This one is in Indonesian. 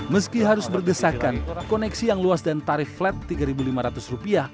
meski harus bergesakan koneksi yang luas dan tarif flat rp tiga lima ratus